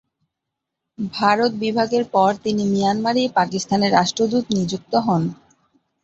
ভারত বিভাগের পর তিনি মিয়ানমারে পাকিস্তানের রাষ্ট্রদূত নিযুক্ত হন।